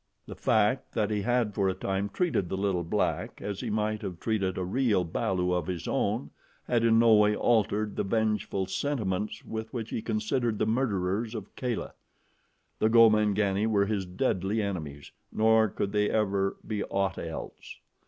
The fact that he had for a time treated the little black as he might have treated a real balu of his own had in no way altered the vengeful sentiments with which he considered the murderers of Kala. The Gomangani were his deadly enemies, nor could they ever be aught else.